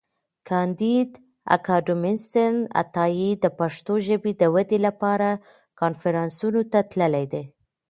کانديد اکاډميسن عطایي د پښتو ژبي د ودي لپاره کنفرانسونو ته تللی دی.